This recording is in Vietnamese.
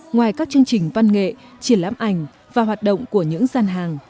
ngoài các chương trình văn nghệ triển lãm ảnh và hoạt động của những gian hàng